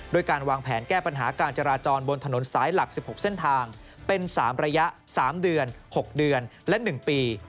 การวางแผนแก้ปัญหาการจราจรบนถนนสายหลัก๑๖เส้นทางเป็น๓ระยะ๓เดือน๖เดือนและ๑ปี